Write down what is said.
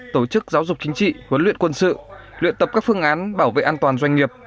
tổ chức giáo dục chính trị huấn luyện quân sự luyện tập các phương án bảo vệ an toàn doanh nghiệp